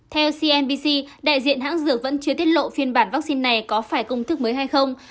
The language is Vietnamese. theo cnbc đại diện hãng dược vẫn chưa tiết lộ phiên bản vaccine này có phải công thức mới hay không